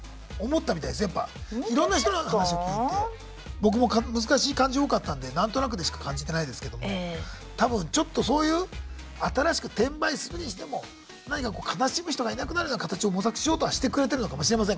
僕も難しい漢字多かったんで何となくでしか感じてないですけども多分ちょっとそういう新しく転売するにしても何かこう悲しむ人がいなくなるような形を模索しようとはしてくれてるのかもしれません。